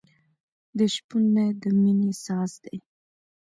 د شپون نی د مینې ساز دی.